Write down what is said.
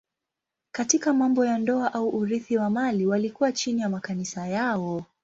Katika mambo ya ndoa au urithi wa mali walikuwa chini ya makanisa yao.